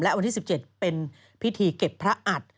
วันที่๑๗เป็นพิธีเก็บพระอัด